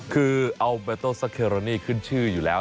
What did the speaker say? คือเอาเบโตซักเคโรนี่ขึ้นชื่ออยู่แล้ว